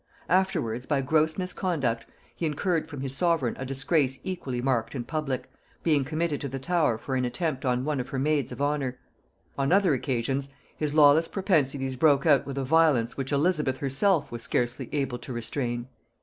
Afterwards, by gross misconduct, he incurred from his sovereign a disgrace equally marked and public, being committed to the Tower for an attempt on one of her maids of honor. On other occasions his lawless propensities broke out with a violence which Elizabeth herself was scarcely able to restrain.